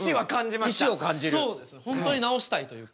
本当に治したいというか。